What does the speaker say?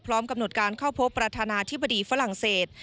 กำหนดการเข้าพบประธานาธิบดีฝรั่งเศส